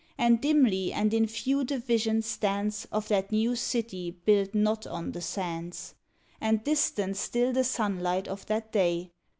And dimly and in few the vision stands Of that new City built not on the sands ; And distant still the sunlight of that Day.